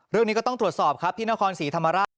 เรื่องนี้ก็ต้องตรวจสอบครับที่นครศรีธรรมราช